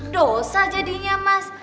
dosa jadinya mas